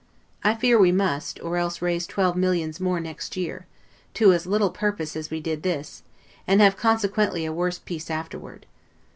I fear we must, or else raise twelve millions more next year, to as little purpose as we did this, and have consequently a worse peace afterward.